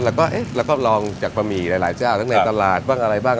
เราก็เอ๊ะเราก็ลองจากบะหมี่หลายเจ้าทั้งในตลาดบ้างอะไรบ้าง